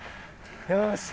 よし！